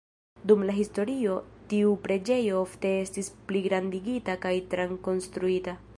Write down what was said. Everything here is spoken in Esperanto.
Dum la historio tiu preĝejo ofte estis pligrandigita kaj trakonstruita.